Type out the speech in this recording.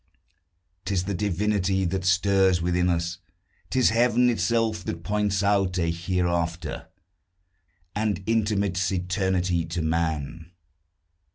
'Tis the divinity that stirs within us; 'Tis Heaven itself, that points out a hereafter, And intimates eternity to man.